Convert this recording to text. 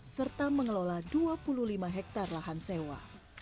serta mengelola dua puluh lima hektare lahan sewa